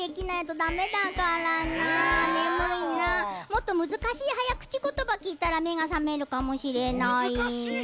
もっとむずかしいはやくちことばきいたらめがさめるかもしれない。